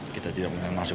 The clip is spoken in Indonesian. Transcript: kita tidak mengenakan masuk